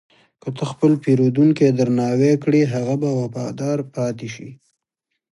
که ته خپل پیرودونکی درناوی کړې، هغه به وفادار پاتې شي.